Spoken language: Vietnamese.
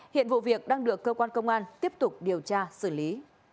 hiện vụ việc đang được cơ quan công an tiếp tục điều tra xử lý